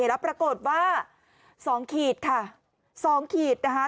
แล้วปรากฏว่า๒ขีดค่ะ๒ขีดนะคะ